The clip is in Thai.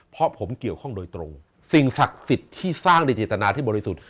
เพราะผมเกี่ยวข้องโดยตรงสิ่งศักดิ์สิทธิ์ที่สร้างโดยเจตนาที่บริสุทธิ์